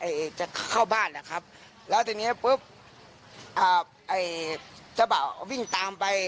จะเข้าบ้านนะครับแล้วทีเนี้ยปุ๊บอ่าไอ้เจ้าบ่าววิ่งตามไป